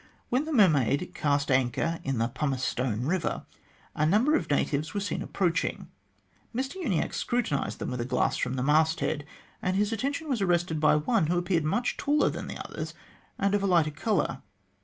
When the Mermaid cast anchor in the Pumice stone Eiver, a number of natives were seen approaching. Mr Uniacke scrutinised them with a glass from the masthead, and his attention was arrested by one who appeared much taller than the others, and of a lighter colour.